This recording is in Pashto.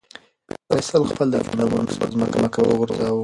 فیصل خپل د کتابونو بکس په ځمکه وغورځاوه.